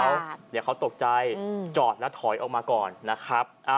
เดี๋ยวเขาตกใจจอดแล้วถอยออกมาก่อนนะครับ